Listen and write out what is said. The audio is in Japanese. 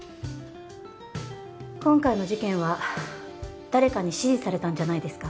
今回の事件は誰かに指示されたんじゃないですか？